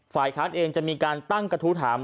ฝ่ายค้านเองจะมีการตั้งกระทู้ถาม